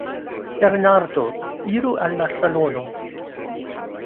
Bernardo: Iru al la salono.